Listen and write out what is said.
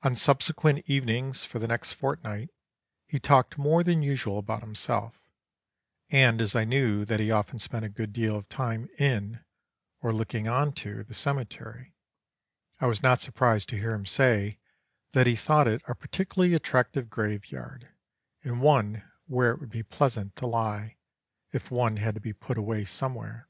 On subsequent evenings for the next fortnight he talked more than usual about himself, and as I knew that he often spent a good deal of time in, or looking on to, the cemetery, I was not surprised to hear him say that he thought it a particularly attractive graveyard, and one where it would be pleasant to lie, if one had to be put away somewhere.